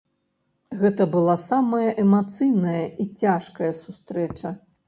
Гэта была самая эмацыйная і цяжкая сустрэча.